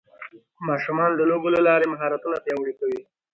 ماشومان د لوبو له لارې مهارتونه پیاوړي کوي